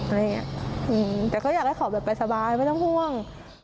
อะไรอย่างนี้แต่ก็อยากให้เขาแบบไปสบายไม่ต้องห่วง